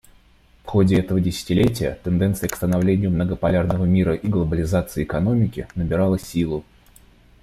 В ходе этого десятилетия тенденция к становлению многополярного мира и глобализации экономики набирала силу.